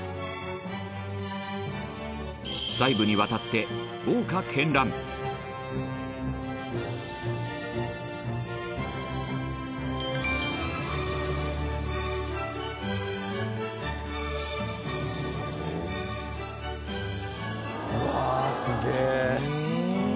細部にわたって豪華絢爛うわー、すげえ！